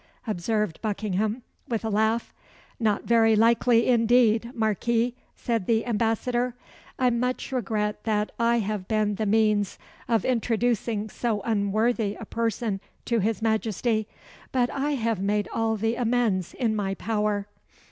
observed Buckingham, with a laugh. "Not very likely indeed, Marquis," said the ambassador. "I much regret that I have been the means of introducing so unworthy a person to his Majesty; but I have made all the amends in my power."